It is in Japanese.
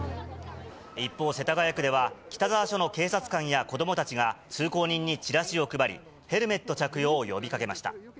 一方、世田谷区では北沢署の警察官や子どもたちが通行人にチラシを配り、ヘルメット着用を呼びかけました。